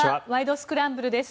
スクランブル」です。